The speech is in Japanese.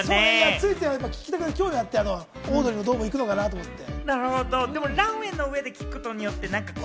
ついつい聞きたくなって、興味あって、オードリーのドーム行くのかなって。